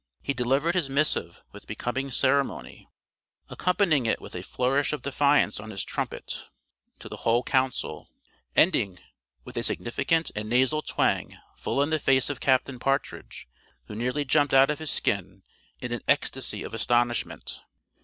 He delivered his missive with becoming ceremony, accompanying it with a flourish of defiance on his trumpet to the whole council, ending with a significant and nasal twang full in the face of Captain Partridge, who nearly jumped out of his skin in an ecstasy of astonishment.